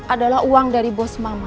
adalah uang dari bos mama